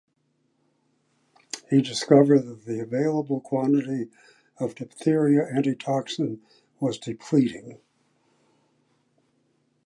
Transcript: He discovered that the available quantity of diphtheria antitoxin was depleting.